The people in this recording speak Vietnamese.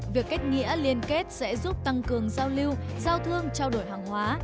việc kết nghĩa liên kết sẽ giúp tăng cường giao lưu giao thương trao đổi hàng hóa